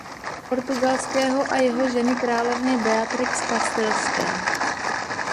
Portugalského a jeho ženy královny Beatrix Kastilské.